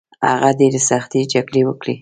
هغه ډیرې سختې جګړې وکړې